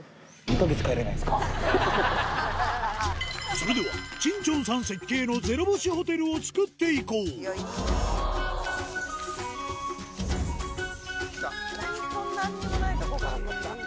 それではチン・チョンさん設計のゼロ星ホテルを作っていこう本当に何にもないとこからなんだ。